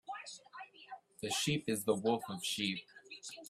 The sheep is the wolf of sheep.